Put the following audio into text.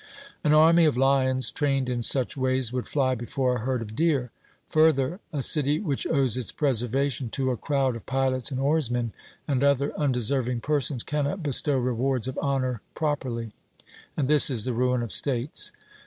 An army of lions trained in such ways would fly before a herd of deer. Further, a city which owes its preservation to a crowd of pilots and oarsmen and other undeserving persons, cannot bestow rewards of honour properly; and this is the ruin of states.